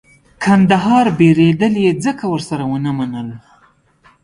کندهار بېلېدل یې ځکه ورسره ونه منل.